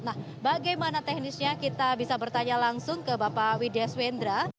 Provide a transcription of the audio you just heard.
nah bagaimana teknisnya kita bisa bertanya langsung ke bapak widya swendra